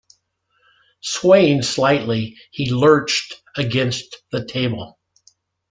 Swaying slightly, he lurched against the table.